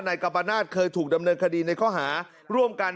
กัมปนาศเคยถูกดำเนินคดีในข้อหาร่วมกัน